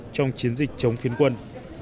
trong chiến dịch chống phiến quân